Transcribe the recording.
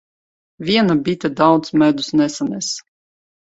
Viena bite daudz medus nesanes.